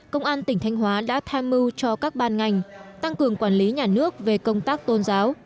công an tỉnh thanh hóa đã tham mưu cho các ban ngành tăng cường quản lý nhà nước về công tác tôn giáo